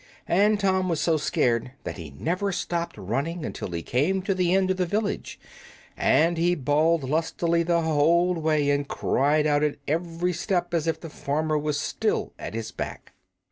And Tom was so scared that he never stopped running until he came to the end of the village, and he bawled lustily the whole way and cried out at every step as if the farmer was still at his back.